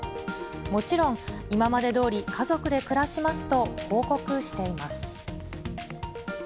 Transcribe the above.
もちろん、今までどおり家族で暮らしますと、報告しています。